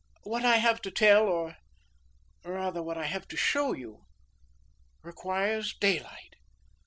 What I have to tell or rather, what I have to show you, requires daylight."